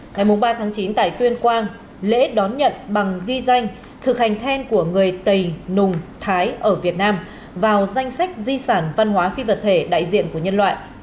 ngày ba chín tại tuyên quang lễ đón nhận bằng ghi danh thực hành then của người tây nùng thái ở việt nam vào danh sách di sản văn hóa phi vật thể đại diện của nhân loại